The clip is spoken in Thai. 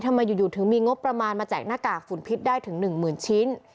ทำไมอยู่ถึงมีงบประมาณมาแจกหน้ากากฝุ่นพิษได้ถึง๑๐๐๐ชิ้น